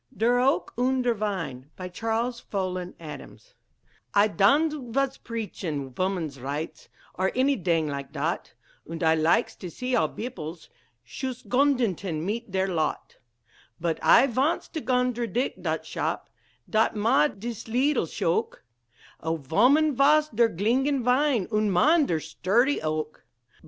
DER OAK UND DER VINE BY CHARLES FOLLEN ADAMS I don'd vas preaching voman's righdts, Or anyding like dot, Und I likes to see all beoples Shust gondented mit dheir lot; Budt I vants to gondradict dot shap Dot made dis leedle shoke: "A voman vas der glinging vine, Und man, der shturdy oak."